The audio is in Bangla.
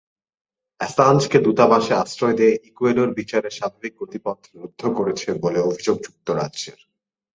অ্যাসাঞ্জকে দূতাবাসে আশ্রয় দিয়ে ইকুয়েডর বিচারের স্বাভাবিক গতিপথ রুদ্ধ করছে বলে অভিযোগ যুক্তরাজ্যের।